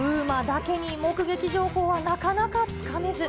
ＵＭＡだけに目撃情報はなかなかつかめず。